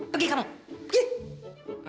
pergi kamu pergi